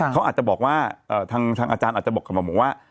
เขาอาจจะบอกว่าทางอาจารย์อาจจะบอกกับหมอบอกว่า